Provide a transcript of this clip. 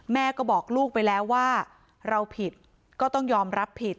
แม่ก็บอกลูกไปแล้วว่าเราผิดก็ต้องยอมรับผิด